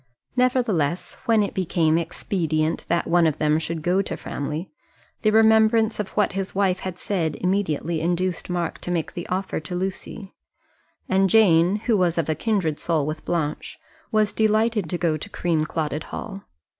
Nevertheless, when it became expedient that one of them should go to Framley, the remembrance of what his wife had said immediately induced Mark to make the offer to Lucy; and Jane, who was of a kindred soul with Blanche, was delighted to go to Creamclotted Hall.